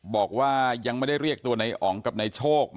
บอกว่ายังไม่ได้เรียกตัวในอ๋องกับนายโชค